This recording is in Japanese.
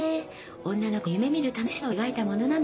女の子の夢みる楽しさを描いたものなの。